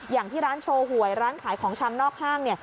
อย่างที่ร้านโชว์หวยร้านขายของชำนอกห้าง